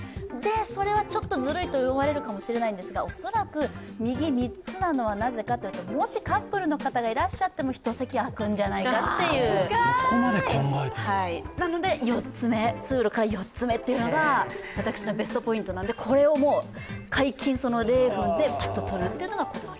それはちょっとずるいと思われるかもしれませんが、恐らく右３つなのはなぜかというと、もしカップルの方がいらっしゃらなくても、席が空くんじゃないかとなので通路から４つ目というのが私のベストポイントなので、これを解禁０分でパッと取るというのが。